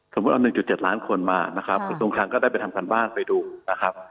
สมมติเอา๑๗ล้านคนมาปรุงทางก็ได้ไปทำการบ้านไปดูนะครับ